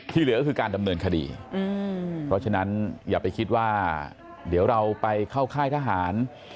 เหลือก็คือการดำเนินคดีเพราะฉะนั้นอย่าไปคิดว่าเดี๋ยวเราไปเข้าค่ายทหาร